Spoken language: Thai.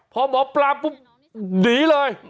พอหมอปลาก็หนีเลย